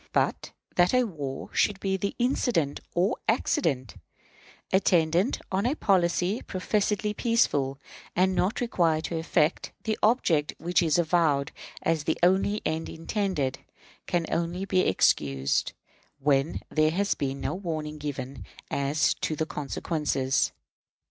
But that war should be the incident or accident, attendant on a policy professedly peaceful, and not required to effect the object which is avowed as the only end intended, can only be excused when there has been no warning given as to the consequences.